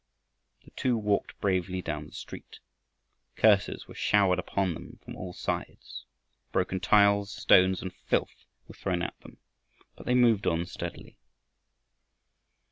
The two walked bravely down the street. Curses were showered upon them from all sides; broken tiles, stones, and filth were thrown at them, but they moved on steadily.